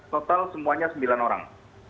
total semuanya sembilan orang